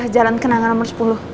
jalan kenangan nomor sepuluh